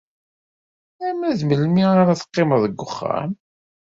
Arma d melmi ara teqqimed deg uxxam?